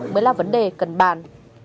mới là vấn đề cần bàn